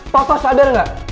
papa sadar gak